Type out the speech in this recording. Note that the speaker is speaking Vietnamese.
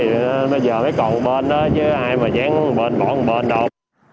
bây giờ mới còn một bên đó chứ ai mà gián một bên bỏ một bên đâu